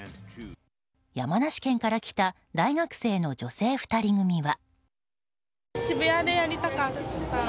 山梨県から来た大学生の女性２人組は。